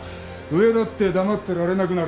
上だって黙ってられなくなる。